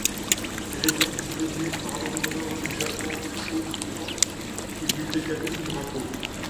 Elle est pardonnée par l'empereur du Japon Shōwa qui lui fait cadeau du drapeau.